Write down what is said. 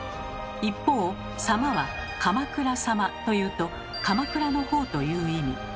一方「様」は「鎌倉様」と言うと「鎌倉のほう」という意味。